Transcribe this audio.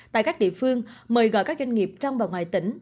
tại các địa phương mời gọi các doanh nghiệp trong và ngoài tỉnh